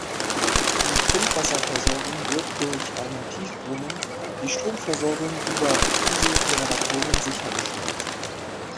Die Trinkwasserversorgung wird durch einen Tiefbrunnen, die Stromversorgung über Dieselgeneratoren sichergestellt.